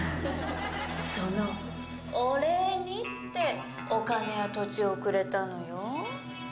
そのお礼にってお金や土地をくれたのよ。